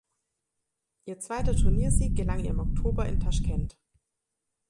Ihr zweiter Turniersieg gelang ihr im Oktober in Taschkent.